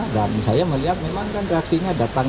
dan saya melihat memang kan reaksinya datang